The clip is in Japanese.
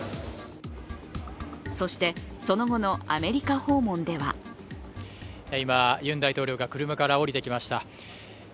そして、その後のアメリカ訪問では今、ユン大統領が車から降りてきました。